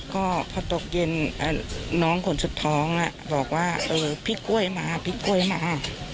ก็พอตกเย็นน้องคนสุดท้องบอกว่าพี่กล้วยมาพี่กล้วยมา